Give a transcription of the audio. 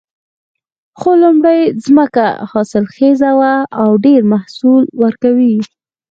خو لومړۍ ځمکه حاصلخیزه وه او ډېر محصول ورکوي